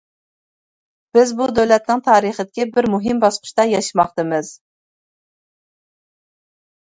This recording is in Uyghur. بىز بۇ دۆلەتنىڭ تارىخىدىكى بىر مۇھىم باسقۇچتا ياشىماقتىمىز.